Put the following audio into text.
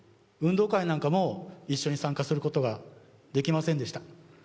運動会なんかも一緒に参加することができませんでした。